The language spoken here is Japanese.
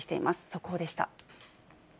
速報でした。